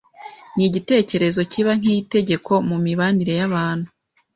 ni igitekerezo kiba nk’itegeko mu mibanire y’abantu